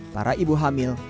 para ibu hamil